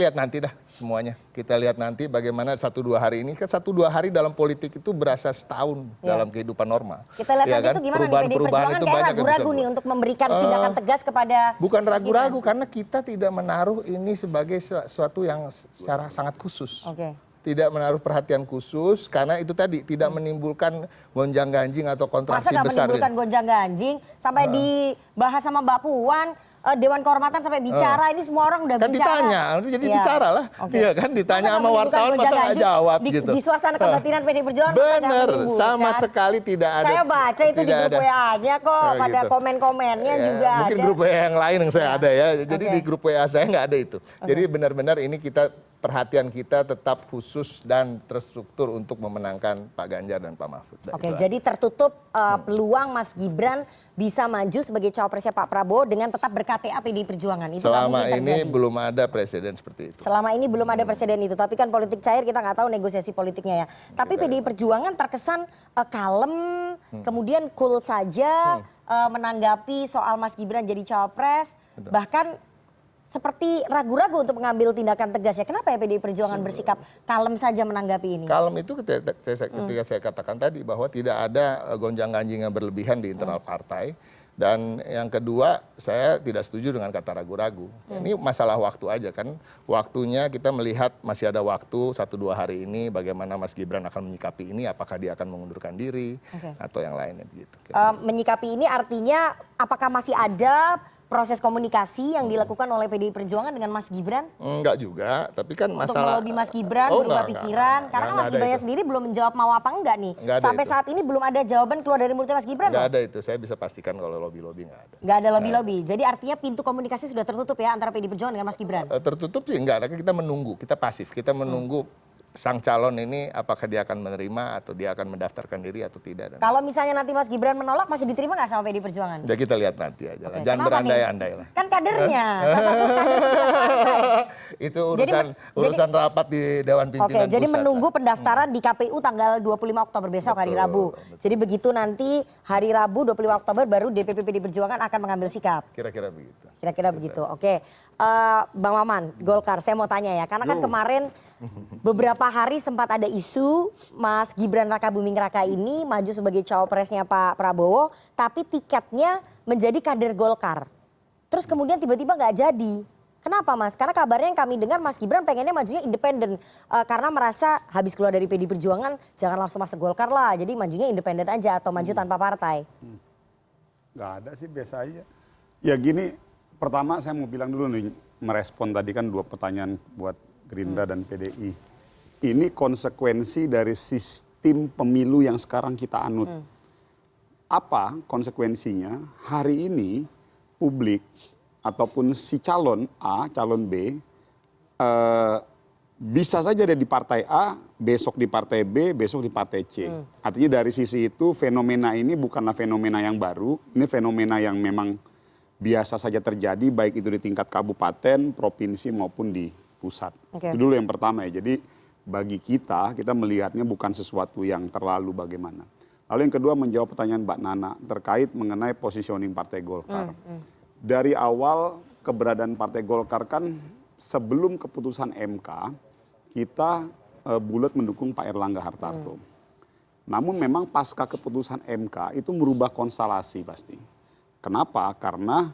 tapi sebagai partai besar saya gak bisa ya memikirkan ataupun melihat bahwa sebagai partai besar partai pemenang pemilu nomor dua begitu ya partai golkar bisa tidak mendapatkan insentif apa